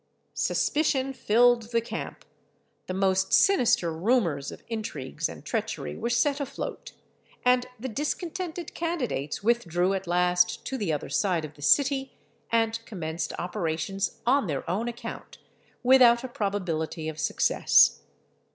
Suspicion filled the camp; the most sinister rumours of intrigues and treachery were set afloat; and the discontented candidates withdrew at last to the other side of the city, and commenced operations on their own account without a probability of success.